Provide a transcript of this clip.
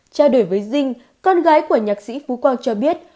trao đổi với dinh con gái của nhạc sĩ phú quang cho biết